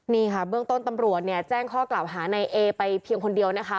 นี่ค่ะเบื้องต้นตำรวจเนี่ยแจ้งข้อกล่าวหาในเอไปเพียงคนเดียวนะคะ